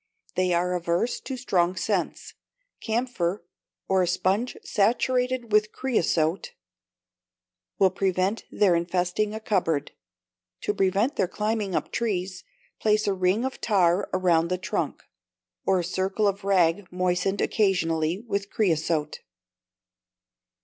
They are averse to strong scents. Camphor, or a sponge saturated with creosote, will prevent their infesting a cupboard. To prevent their climbing up trees, place a ring of tar about the trunk, or a circle of rag moistened occasionally with creosote.